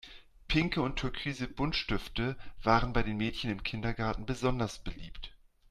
Pinke und türkise Buntstifte waren bei den Mädchen im Kindergarten besonders beliebt.